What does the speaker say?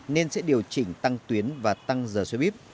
nên sẽ điều chỉnh tăng tuyến và tăng giờ xe buýt